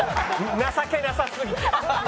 情けなさすぎて。